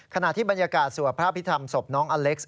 ขณะที่บรรยากาศสวดพระพิธรรมศพน้องอเล็กซ์